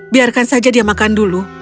biarkan saja dia makan dulu